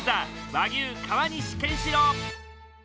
和牛川西賢志郎。